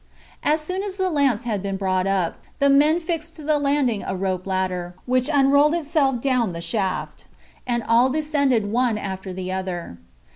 As soon as the lamps had been brought up, the men fixed to the landing a rope ladder, which unrolled itself down the shaft, and all descended one after the other.